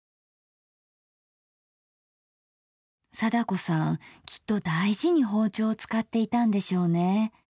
貞子さんきっと大事に包丁を使っていたんでしょうね。